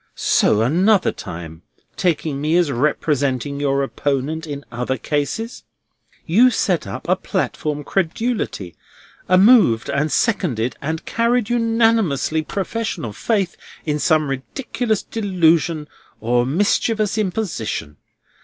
So, another time—taking me as representing your opponent in other cases—you set up a platform credulity; a moved and seconded and carried unanimously profession of faith in some ridiculous delusion or mischievous imposition.